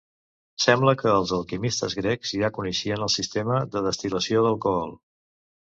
Sembla que els alquimistes grecs ja coneixien el sistema de destil·lació d'alcohol.